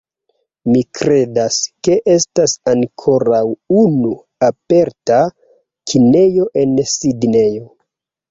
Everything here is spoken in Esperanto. Mi kredas, ke estas ankoraŭ unu aperta kinejo en Sidnejo